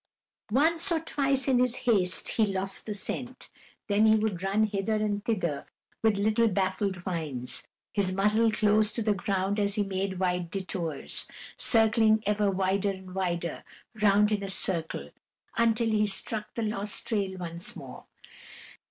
Once or twice, in his haste, he lost the scent, then he would run hither and thither with little baffled whines, his muzzle close to the ground as he made wide détours, circling ever wider and wider, round in a circle, until he struck the lost trail once more.